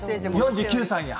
４９歳に。